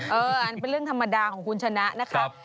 อันเป็นเรื่องธรรมดาของคุณชนะนะครับ